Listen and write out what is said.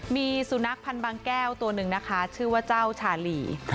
มีสุนัขพันธ์บางแก้วตัวหนึ่งนะคะชื่อว่าเจ้าชาลี